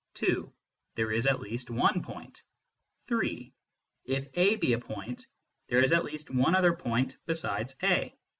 (2) There is at least one point. (3) If a be a point, there is at least one other point besides a.